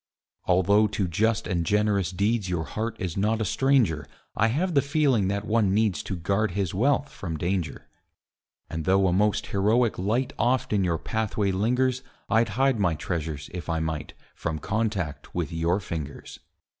Although to just and generous deeds Your heart is not a stranger, I have the feeling that one needs To guard his wealth from danger. And though a most heroic light Oft on your pathway lingers, I'd hide my treasures, if I might, From contact with your fingers.